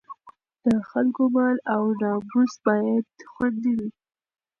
د خلکو مال او ناموس باید خوندي وي.